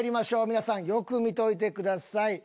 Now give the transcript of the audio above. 皆さんよく見といてください。